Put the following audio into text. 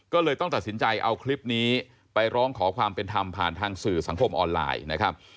ก็เลยต้องตัดสินใจเอาคลิปนี้ไปร้องขอความเป็นธรรมผ่านทางสื่อสังคมออนไลน์นะครับ